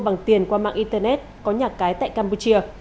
bằng tiền qua mạng internet có nhà cái tại campuchia